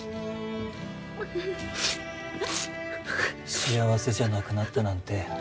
幸せじゃなくなったなんて